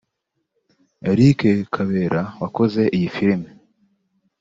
Eric Kabera wakoze iyi film